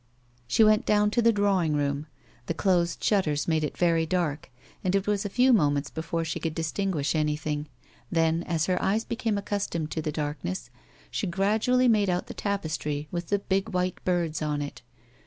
She went down to the drawing room. The closed shutters made it very dark, and it was a few moments before she could distinguish anything, then, as her eyes became accus tomed to the darkness, she gradually made out the tapestry with the big, white birds on it.